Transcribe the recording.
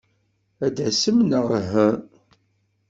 Ad d-tasem neɣ uhu?